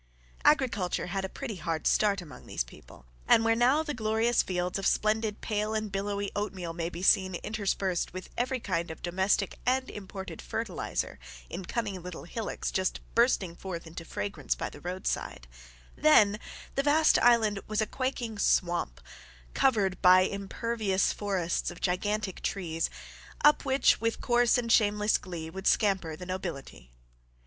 Agriculture had a pretty hard start among these people, and where now the glorious fields of splendid pale and billowy oatmeal may be seen interspersed with every kind of domestic and imported fertilizer in cunning little hillocks just bursting forth into fragrance by the roadside, then the vast island was a quaking swamp or covered by impervious forests of gigantic trees, up which with coarse and shameless glee would scamper the nobility.